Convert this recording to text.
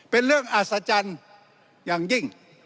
เป็นเรื่องอัศจรรย์อย่างยิ่ง